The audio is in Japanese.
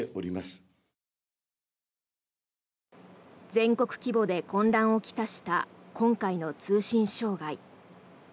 全国規模で混乱を来した今回の通信障害。